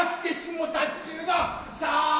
さあ